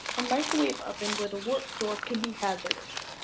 A microwave oven with a warped door can be hazardous.